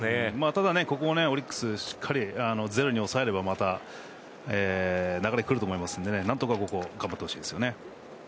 ただ、ここをオリックスしっかりゼロに抑えればまた流れが来ると思うので何と頑張ってほしいですね。